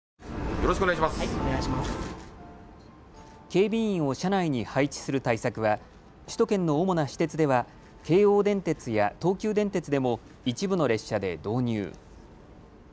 警備員を車内に配置する対策は首都圏の主な私鉄では京王電鉄や東急電鉄でも一部の列車で導入。